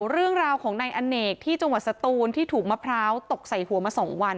เรื่องราวของนายอเนกที่จังหวัดสตูนที่ถูกมะพร้าวตกใส่หัวมา๒วัน